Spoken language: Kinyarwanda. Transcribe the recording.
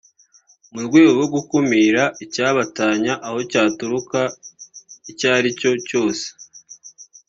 mu rwego rwo gukumira icyabatanya aho cyaturuka icyo ari cyo cyose